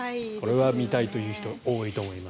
これは見たいという人多いと思います。